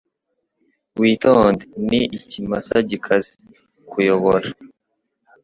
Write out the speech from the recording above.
Witonde. Ni ikimasa gikaze. kuyobora